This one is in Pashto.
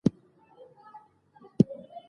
ارمان کاکا په خپل ذهن کې د ځوانۍ یادونه تازه کوله.